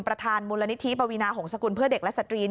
ประธานมูลนิธิปวีนาหงษกุลเพื่อเด็กและสตรี